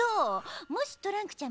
もしトランクちゃん